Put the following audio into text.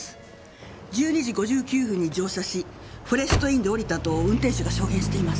１２時５９分に乗車しフォレスト・インで降りたと運転手が証言しています。